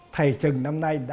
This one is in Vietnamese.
thầy trừng năm nay